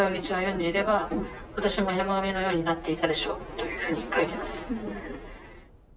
というふうにかいてます。